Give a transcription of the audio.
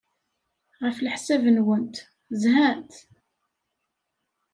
Ɣef leḥsab-nwent, zhant?